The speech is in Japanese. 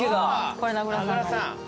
これ名倉さんの。